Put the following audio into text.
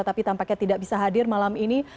tapi tampaknya tidak bisa hadir malam ini